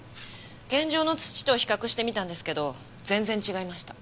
現場の土と比較してみたんですけど全然違いました。